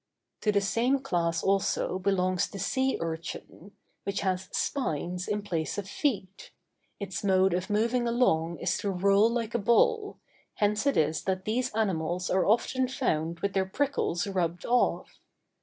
To the same class also belongs the sea urchin, which has spines in place of feet; its mode of moving along is to roll like a ball, hence it is that these animals are often found with their prickles rubbed off.